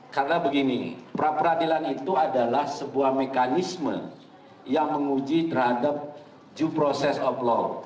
karena begini pra peradilan itu adalah sebuah mekanisme yang menguji terhadap due process of law